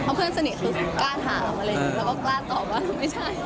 เพราะเพื่อนสนิทคือกล้าถามอะไรอย่างนี้แล้วก็กล้าตอบว่าไม่ใช่